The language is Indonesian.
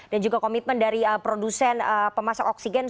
dan juga komitmen dari produsen pemasok oksigen